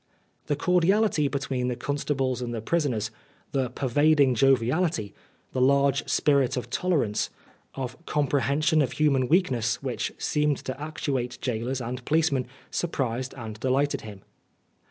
The cordiality between the constables and the prisoners, the pervading joviality, the large spirit of tolerance, of comprehension of human weakness, which seemed to actuate gaolers and policemen, surprised and delighted him.